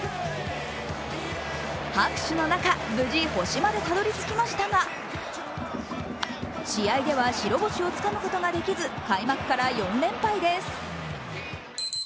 拍手の中、無事星までたどり着きましたが試合では白星をつかむことができず、開幕から４連敗です。